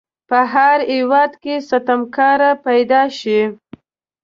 په هر هیواد کې ستمکاره پیداشي.